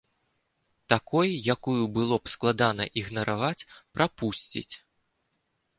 Такой, якую было б складана ігнараваць, прапусціць.